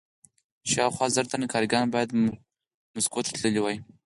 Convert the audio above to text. شاوخوا زر تنه کارګران باید مسکو ته تللي وای